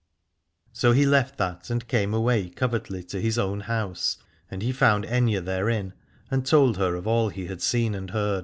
So he left that and came away covertly to his own house, and he found Aithne therein, and told her of all that he had seen and heard.